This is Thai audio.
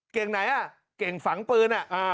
เก่งไหนฝังปืน